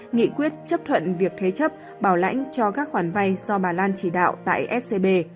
nghị quyết chấp thuận việc thế chấp bảo lãnh cho các khoản vay do bà lan chỉ đạo tại scb